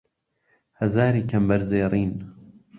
ههزاری کهمبەر زێڕين